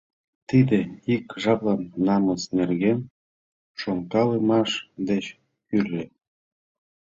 Тиде ик жаплан намыс нерген шонкалымаш деч кӱрльӧ.